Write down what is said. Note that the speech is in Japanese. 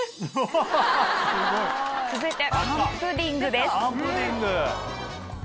続いてパンプディングです。